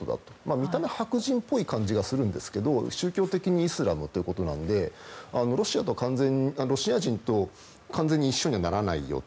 見た目は白人みたいな感じがするんですけども宗教的にイスラムということなのでロシア人と完全に一緒にはならないよと。